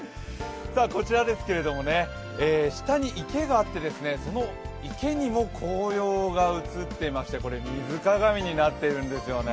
こちらですけれども、下に池があってその池にも紅葉が映っていまして、これ、水鏡になってるんですよね